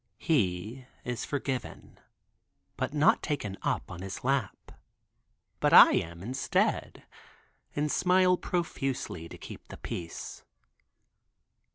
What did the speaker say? He is forgiven, but not taken up on his lap, but I am instead, and smile profusely to keep the peace.